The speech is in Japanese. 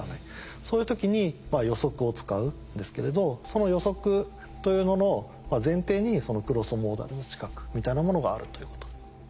そういう時に予測を使うんですけれどその予測というのの前提にそのクロスモーダルの知覚みたいなものがあるということ。